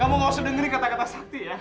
kamu gak usah dengerin kata kata sakti ya